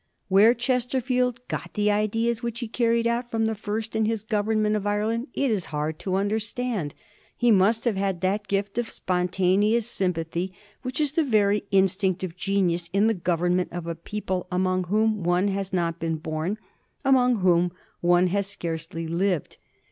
Where Chesterfield got the ideas which he carried out from the first in his government of Ireland it is hard to understand. He must have had that gift of spontaneous sympathy which is the very in stinct of genius in the government of a people among whom one has not been bom, among whom one has scarcely lived.